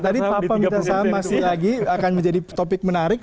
tadi papa minta saham masih lagi akan menjadi topik menarik